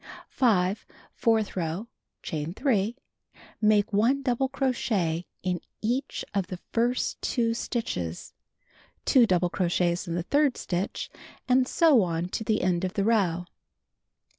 5. Fourth row: Chain 3. Make 1 double crochet in each of tne first 2 stitches; 2 double crochets in the third stitch; and so on to the end of the row.